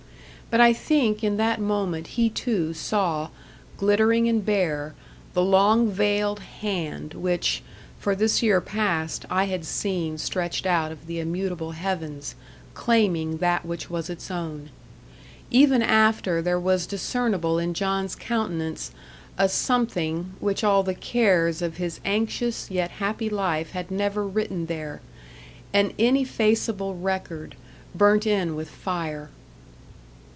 But I think in that moment he too saw, glittering and bare, the long veiled Hand which, for this year past, I had seen stretched out of the immutable heavens, claiming that which was its own. Ever after there was discernible in John's countenance a something which all the cares of his anxious yet happy life had never written there an ineffaceable record, burnt in with fire.